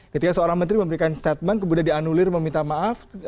ketika seorang menteri memberikan statement kemudian dianulir meminta maaf